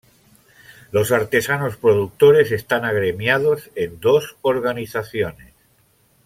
Los artesanos productores están agremiados en dos organizaciones.